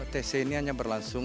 tc ini hanya berlangsung